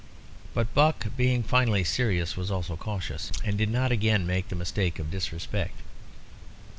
But Buck, being finally serious, was also cautious, and did not again make the mistake of disrespect.